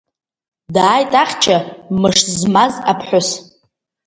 Дааит ахьча мыш змаз аԥҳәыс.